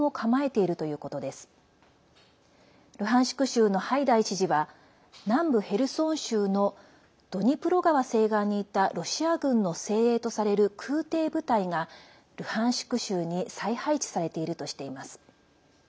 州のハイダイ知事は南部ヘルソン州のドニプロ川西岸にいたロシア軍の精鋭とされる空てい部隊がルハンシク州に再配置されているとしています。